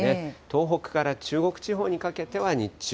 東北から中国地方にかけては、日中、